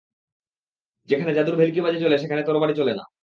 যেখানে জাদুর ভেল্কিবাজি চলে সেখানে তরবারি চলে না।